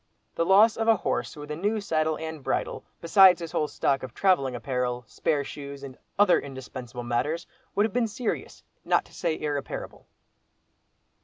The loss of a horse with a new saddle and bridle, besides his whole stock of travelling apparel, spare shoes, and other indispensable matters, would have been serious, not to say irreparable.